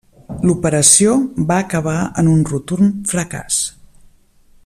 L'operació va acabar en un rotund fracàs.